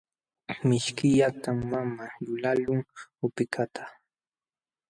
Mishkillatam mamaa lulaqlun upikaqta.